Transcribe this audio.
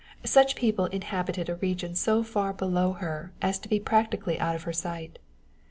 Such people inhabited a region so far below her as to be practically out of her sight.